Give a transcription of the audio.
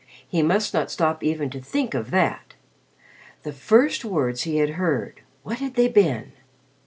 He must not stop even to think of that. The first words he had heard what had they been?